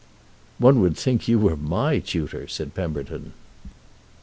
"One would think you were my tutor!" said Pemberton.